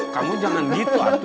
kamu jangan gitu atukum